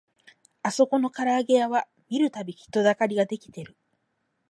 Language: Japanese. あそこのからあげ屋は見るたび人だかりが出来てる